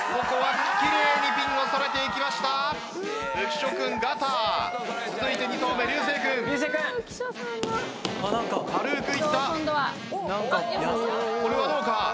これはどうか！？